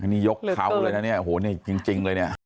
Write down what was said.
นี่ยกเขาเลยนะเนี่ยโอ้โหนี่จริงเลยเนี่ย